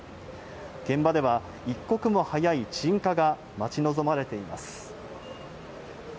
現場では一刻も早い鎮火が待ち望まれています。